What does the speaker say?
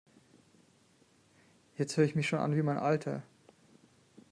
Jetzt höre ich mich schon an wie mein Alter!